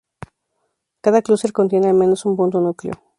Cada cluster contiene al menos un punto núcleo.